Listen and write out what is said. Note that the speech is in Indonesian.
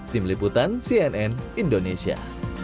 tim liputan cnn indonesia